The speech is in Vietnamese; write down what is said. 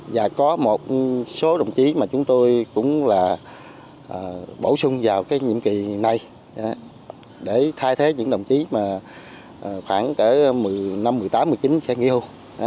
và có một số đồng chí mà chúng tôi cũng là bổ sung vào cái nhiệm kỳ này để thay thế những đồng chí mà khoảng cỡ năm một mươi tám một mươi chín sẽ nghe